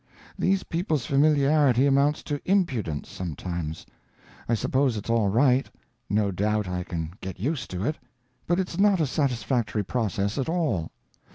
These people's familiarity amounts to impudence, sometimes. I suppose it's all right; no doubt I can get used to it, but it's not a satisfactory process at all.